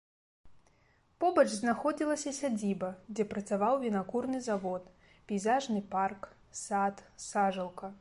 Побач знаходзіліся сядзіба, дзе працаваў вінакурны завод, пейзажны парк, сад, сажалка.